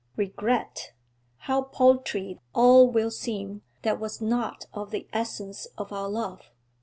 Regret! How paltry all will seem that was not of the essence of our love!